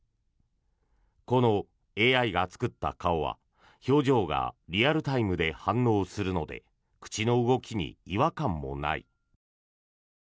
このＡＩが作った顔は、表情がリアルタイムで反応するので口の動きに違和感もない。